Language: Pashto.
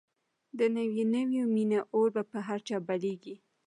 د نوې نوې مینې اور به په هر چا بلېږي